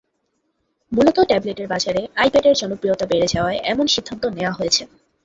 মূলত ট্যাবলেটের বাজারে আইপ্যাডের জনপ্রিয়তা বেড়ে যাওয়ায় এমন সিদ্ধান্ত নেওয়া হয়েছে।